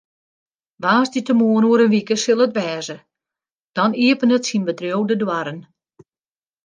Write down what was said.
Woansdeitemoarn oer in wike sil it wêze, dan iepenet syn bedriuw de doarren.